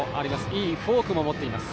いいフォークも持っています。